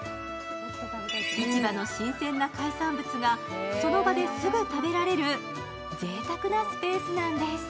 市場の新鮮な海産物がその場ですぐ食べられるぜいたくなスペースなんです。